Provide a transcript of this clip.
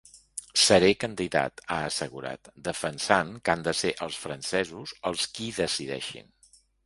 Seré candidat, ha assegurat, defensant que han de ser els francesos els qui decideixin.